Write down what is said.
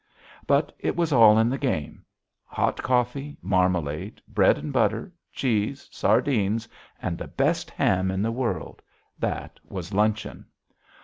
But it was all in the game. Hot coffee, marmalade, bread and butter, cheese, sardines, and the best ham in the world that was luncheon.